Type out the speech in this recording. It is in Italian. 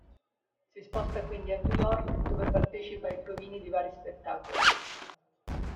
Si sposta quindi a New York, dove partecipa ai provini di vari spettacoli.